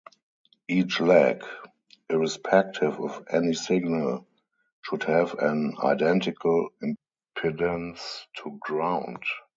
Each leg, irrespective of any signal, should have an identical impedance to ground.